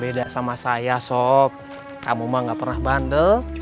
beda sama saya sob kamu mah nggak pernah bandel